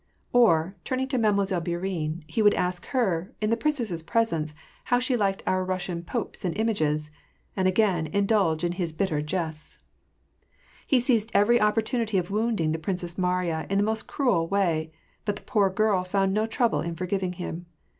Or, turning to Mademoiselle Bourienne, he would ask her, in the princess's presence, how she liked our Russian popes and images ; and again indulge in his bitter jests. He seized every opportunity of wounding the Princess Mariya, in the most cruel way ; but the poor girl found no trouble in forgiving him.